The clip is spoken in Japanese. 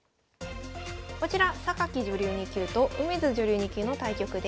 こちら女流２級と梅津女流２級の対局です。